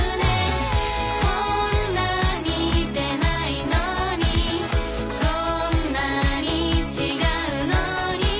「こんな似てないのにこんなに違うのに」